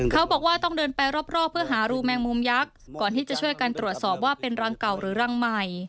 เขาบอกว่าต้องเดินไปรอบเพื่อหารูแมงมุมยักษ์ก่อนที่จะช่วยกันตรวจสอบว่าเป็นรังเก่าหรือรังใหม่